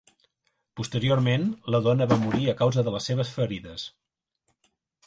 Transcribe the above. Posteriorment, la dona va morir a causa de les seves ferides.